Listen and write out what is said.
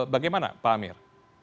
bagaimana pak amir